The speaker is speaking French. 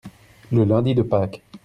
Le lundi de Pâques.